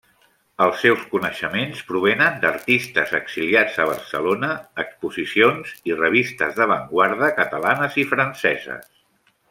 Els seus coneixements provenen d'artistes exiliats a Barcelona, exposicions i revistes d'avantguarda catalanes i franceses.